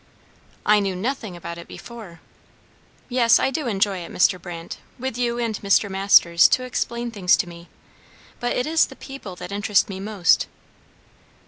"I knew nothing about it before. Yes, I do enjoy it, Mr. Brandt, with you and Mr. Masters to explain things to me; but it is the people that interest me most."